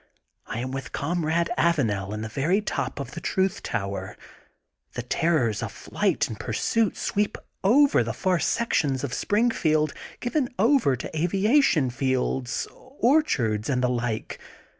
I am with Comrade Avanel in the very top of the Truth Tower. The terrors of flight and pursuit sweep over the far sections of Spring field given over to aviation fields, orchards and the like.